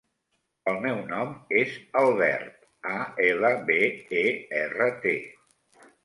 El meu nom és Albert: a, ela, be, e, erra, te.